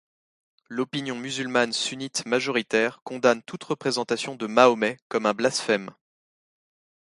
L’opinion musulmane sunnite majoritaire condamne toute représentation de Mahomet comme un blasphème.